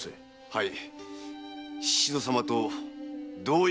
はい。